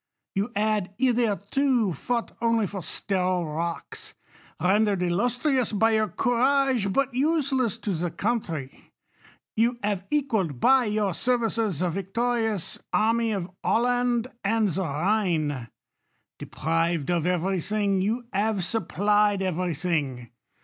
You had hitherto fought only for ; sterile rocks, rendered illustrious by your courage, but u.^eless to the country ; you have equalled by your ser i vices the victorious army of Holland and the Khine« Deprived of every thin,2;, you have supplied every thins.